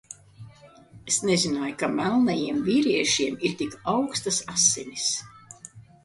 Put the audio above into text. Es nezināju, ka melnajiem vīriešiem ir tik aukstas asinis.